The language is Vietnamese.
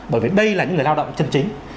bởi vì đây là những người lao động chân chính